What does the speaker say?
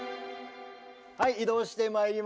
はい移動してまいりました。